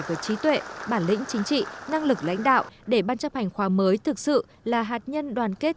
về trí tuệ bản lĩnh chính trị năng lực lãnh đạo để ban chấp hành khoa mới thực sự là hạt nhân đoàn kết